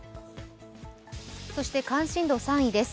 そして関心度３位です